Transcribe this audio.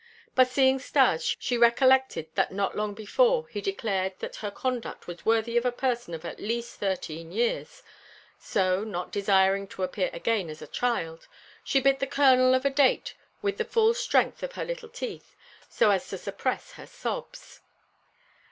But seeing Stas, she recollected that not long before he declared that her conduct was worthy of a person of at least thirteen years; so, not desiring to appear again as a child, she bit the kernel of a date with the full strength of her little teeth, so as to suppress her sobs.